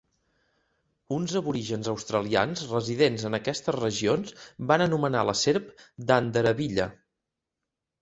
Uns aborígens australians residents en aquestes regions van anomenar la serp "Dandarabilla".